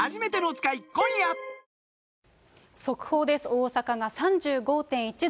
大阪が３５．１度。